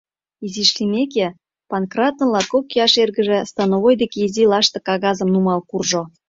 Изиш лиймеке, Панкратын латкок ияш эргыже становой деке изи лаштык кагазым нумал куржо.